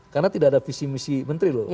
karena tidak ada visi misi menteri loh